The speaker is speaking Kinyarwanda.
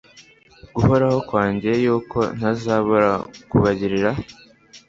guhoraho kwanjye yuko ntazabura kubagirira